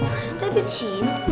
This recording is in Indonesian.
rasanya tadi disini